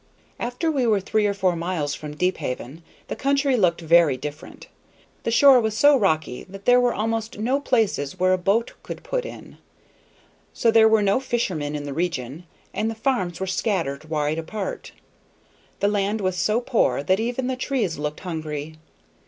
After we were three or four miles from Deephaven the country looked very different. The shore was so rocky that there were almost no places where a boat could put in, so there were no fishermen in the region, and the farms were scattered wide apart; the land was so poor that even the trees looked hungry.